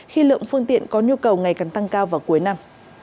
khi lượng phương tiện có nhu cầu ngày càng tăng cao vào cuối năm